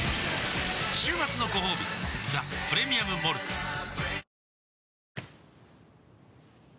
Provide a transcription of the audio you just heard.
週末のごほうび「ザ・プレミアム・モルツ」わぁ！